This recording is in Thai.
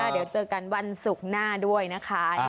เดี๋ยวเจอกันวันศุกร์หน้าด้วยนะคะ